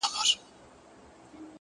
خو اوس د اوښكو سپين ځنځير پر مخ گنډلی؛